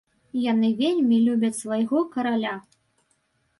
Яны вельмі любяць свайго караля.